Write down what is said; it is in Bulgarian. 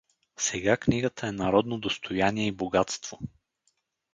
Сега книгата е народно достояние и богатство.